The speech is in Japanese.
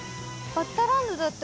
バッタランドだって。